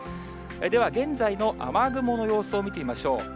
では、現在の雨雲の様子を見てみましょう。